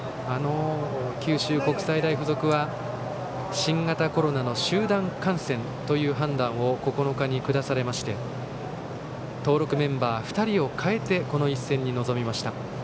九州国際大付属は新型コロナの集団感染という判断を９日に下されまして登録メンバー２人を変えてこの一戦に臨みました。